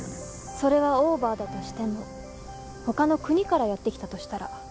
それはオーバーだとしても他の国からやって来たとしたら。